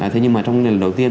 thế nhưng mà trong lần đầu tiên